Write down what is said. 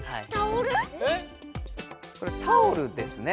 これタオルですね。